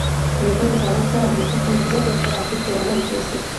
ميرمن د خاوند سره د نکاح په نتيجه کي خپله اصلي کورنۍ پريږدي.